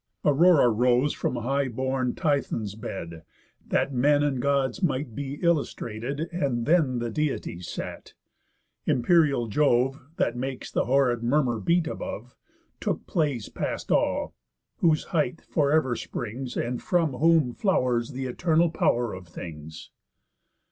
Aurora rose from high born Tithon's bed, That men and Gods might be illustrated, And then the Deities sat. Imperial Jove, That makes the horrid murmur beat above, Took place past all, whose height for ever springs, And from whom flowers th' eternal pow'r of things.